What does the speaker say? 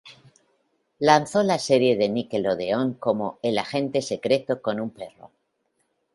Lanzó la serie de Nickelodeon como "El agente secreto con un perro".